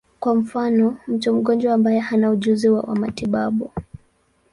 Kwa mfano, mtu mgonjwa ambaye hana ujuzi wa matibabu.